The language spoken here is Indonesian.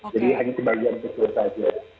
jadi hanya sebagian kecil saja